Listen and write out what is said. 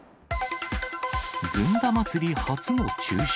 ずんだまつり初の中止。